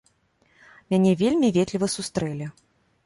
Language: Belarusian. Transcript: Мяне вельмі ветліва сустрэлі.